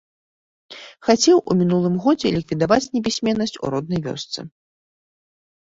Хацеў у мінулым годзе ліквідаваць непісьменнасць у роднай вёсцы.